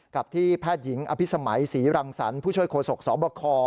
กับที่แพทย์หญิงอภิษมัยศรีรังสรรค์ผู้ช่วยโฆษกสบค